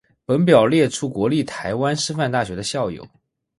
本表列出国立台湾师范大学的校友。